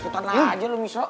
puter lah aja lu miso